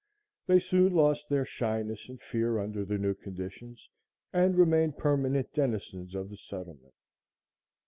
They soon lost their shyness and fear under the new conditions, and remained permanent denizens of the settlement.